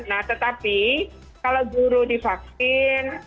nah tetapi kalau guru di vaksin